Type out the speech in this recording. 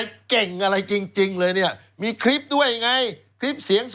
เนี่ยก็ใช้เทคโนโลยีหนักมันก็ต้องได้สิคะ